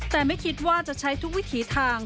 แต่ไม่คิดว่าจะใช้ทุกวิถีทาง